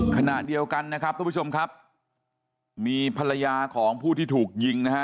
ขณะเดียวกันนะครับทุกผู้ชมครับมีภรรยาของผู้ที่ถูกยิงนะฮะ